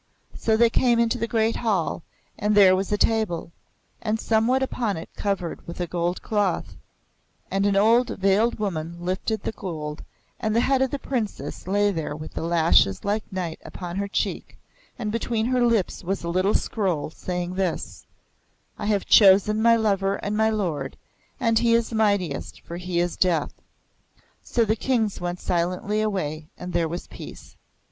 So they came into the great Hall, and there was a table, and somewhat upon it covered with a gold cloth; and an old veiled woman lifted the gold, and the head of the Princess lay there with the lashes like night upon her cheek, and between her lips was a little scroll, saying this: 'I have chosen my Lover and my Lord, and he is mightiest, for he is Death.' So the Kings went silently away. And there was Peace."